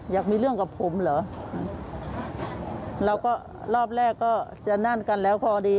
อยากมีเรื่องกับผมเหรอแล้วก็รอบแรกก็จะนั่นกันแล้วพอดี